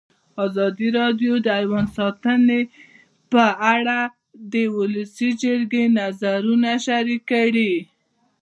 ازادي راډیو د حیوان ساتنه په اړه د ولسي جرګې نظرونه شریک کړي.